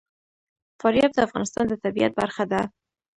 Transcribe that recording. فاریاب د افغانستان د طبیعت برخه ده.